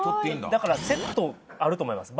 だからセットあると思います。